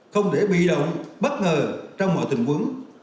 không để bị động bất ngờ trong mọi tình huống